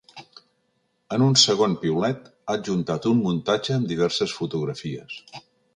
En un segon piulet, han adjuntat un muntatge amb diverses fotografies.